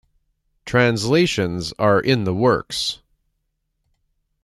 Translations are in the works.